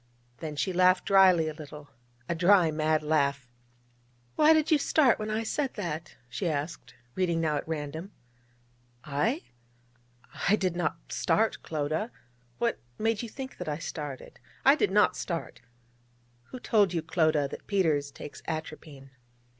Then she laughed dryly a little a dry, mad laugh. 'Why did you start when I said that?' she asked, reading now at random. 'I! I did not start, Clodagh! What made you think that I started? I did not start! Who told you, Clodagh, that Peters takes atropine?'